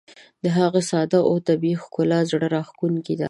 د هغې ساده او طبیعي ښکلا زړه راښکونکې ده.